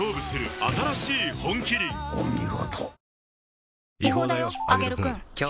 お見事。